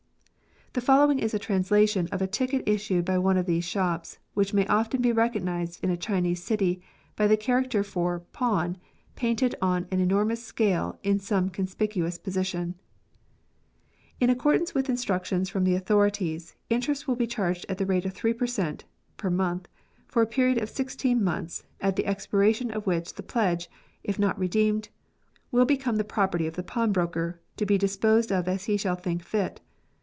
The following is a translation of a ticket issued by one of these shops, which may often be recognised in a Chinese city by the character for 'pawn painted on an enormous scale in some conspicu ous position :^—" In accordance with instructions from the authorities, interest will be charged at the rate of three per cent, [per month] for a period of sixteen months, at the expiration of which the pledge, if not redeemed, will be comethe property of the pawnbroker, to be disposed of as he shall think fit.